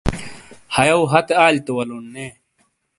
ہَیو ہتے آلی تو ولون نے۔